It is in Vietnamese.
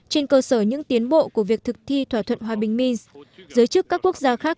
trên cơ sở những tiến bộ của việc thực thi thỏa thuận hòa bình minsk giới chức các quốc gia khác